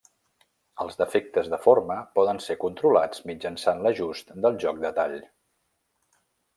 Els defectes de forma poden ser controlats mitjançant l'ajust del joc de tall.